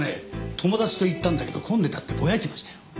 「友達と行ったんだけど混んでた」ってぼやいてましたよ。